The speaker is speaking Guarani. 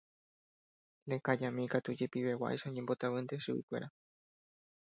Lekajami katu jepiveguáicha oñembotavýnte chuguikuéra.